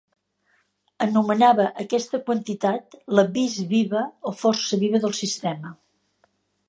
Anomenava aquesta quantitat la "vis viva" o "força viva" del sistema.